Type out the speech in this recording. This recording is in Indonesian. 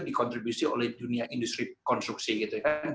dikontribusi oleh dunia industri konstruksi gitu kan